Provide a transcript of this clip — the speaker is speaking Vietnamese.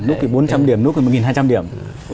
lúc bốn trăm linh điểm lúc một nghìn hai trăm linh điểm